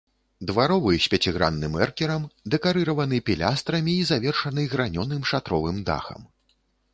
Дваровы з пяцігранным эркерам, дэкарыраваны пілястрамі і завершаны гранёным шатровым дахам.